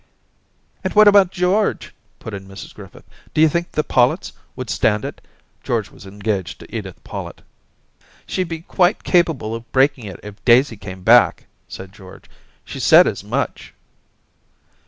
'And what about George?' put in Mrs Griffith. *D'you think the PoUetts would stand it ?' George was engaged to Edith PoUett. * She'd be quite capable of breaking it off if Daisy came back,' said George. * She's said as much.'